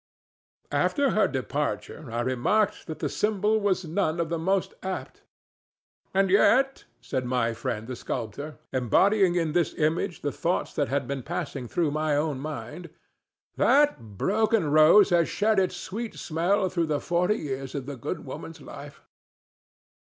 After her departure I remarked that the symbol was none of the most apt. "And yet," said my friend the sculptor, embodying in this image the thoughts that had been passing through my own mind, "that broken rose has shed its sweet smell through forty years of the good woman's life."